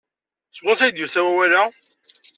Seg wansi ay d-yusa wawal-a?